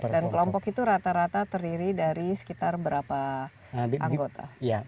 dan kelompok itu rata rata terdiri dari sekitar berapa anggota